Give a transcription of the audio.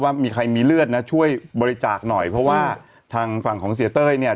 ว่ามีใครมีเลือดนะช่วยบริจาคหน่อยเพราะว่าทางฝั่งของเสียเต้ยเนี่ย